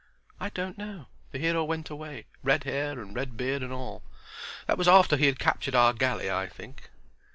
"I don't know. The hero went away—red hair and red beard and all. That was after he had captured our galley, I think."